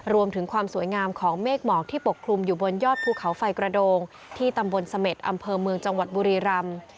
รวมถึงความสวยงามของเมฆหมอกที่ปกคลุมอยู่บนยอดภูเขาไฟกระโดงที่ตำบลเสม็ดอำเภอเมืองจังหวัดบุรีรำ